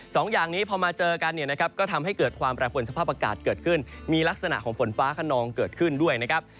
สองอย่างนี้พอมาเจอกันเนี่ยนะครับก็ทำให้เกิดความแปรปวนสภาพอากาศเกิดขึ้นมีลักษณะของฝนฟ้าขนองเกิดขึ้นด้วยนะครับ